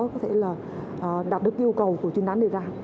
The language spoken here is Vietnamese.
có thể là đạt được yêu cầu của trinh sát này ra